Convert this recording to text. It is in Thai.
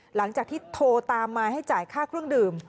หลังจากที่โทรตามมาให้จ่ายค่าเครื่องดื่ม